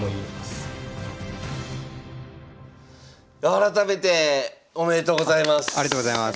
改めておめでとうございます。